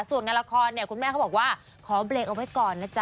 ส่วนงานละครเนี่ยคุณแม่เขาบอกว่าขอเบรกเอาไว้ก่อนนะจ๊